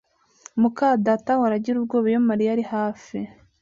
muka data ahora agira ubwoba iyo Mariya ari hafi